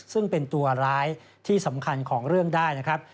ซึ่งเป็นตัวร้ายที่สำคัญของเรื่องได้นะครับ